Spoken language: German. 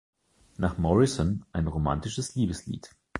Nach Morrison ein romantisches Liebeslied.